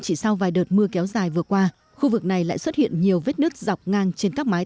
chỉ sau vài đợt mưa kéo dài vừa qua khu vực này lại xuất hiện nhiều vết nứt dọc ngang trên các mái